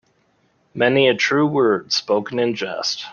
Many a true word spoken in jest.